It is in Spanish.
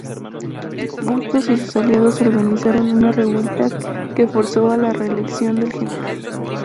Bustos y sus aliados organizaron una revuelta que forzó a la reelección del general.